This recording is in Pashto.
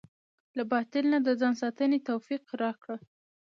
له باطل نه د ځان ساتنې توفيق راکړه.